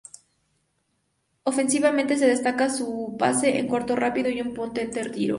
Ofensivamente se destaca su pase en corto rápido y un potente tiro.